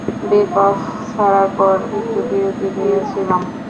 Bekoff ছাড়ার পর একটু বিরতি নিয়েছিলাম।